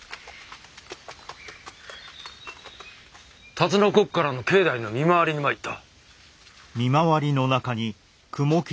辰の刻からの境内の見回りに参った。